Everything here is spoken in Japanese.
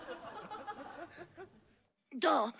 どう？